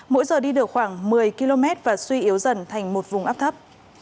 mỗi giờ đi được khoảng một mươi km và suy yếu dần thành một vùng áp thấp